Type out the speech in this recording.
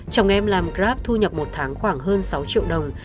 chồng em làm grab thu nhập một tháng khoảng hơn sáu triệu đồng